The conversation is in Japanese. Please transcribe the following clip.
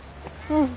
うん。